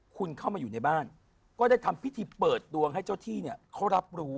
คุณเข้ามาอยู่ในบ้านก็ได้ทำพิธีเปิดดวงให้เจ้าที่เนี่ยเขารับรู้